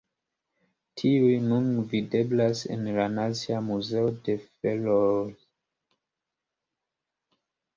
Tiuj nun videblas en la Nacia Muzeo de Ferooj.